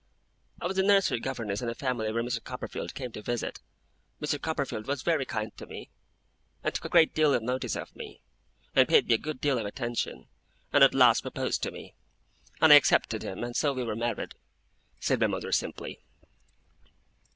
'I was nursery governess in a family where Mr. Copperfield came to visit. Mr. Copperfield was very kind to me, and took a great deal of notice of me, and paid me a good deal of attention, and at last proposed to me. And I accepted him. And so we were married,' said my mother simply.